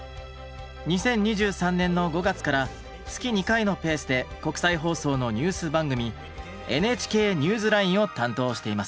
２０２３年の５月から月２回のペースで国際放送のニュース番組「ＮＨＫＮＥＷＳＬＩＮＥ」を担当しています。